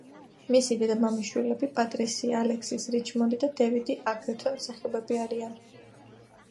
მისი დედმამიშვილები, პატრისია, ალექსისი, რიჩმონდი და დევიდი აგრეთვე მსახიობები არიან.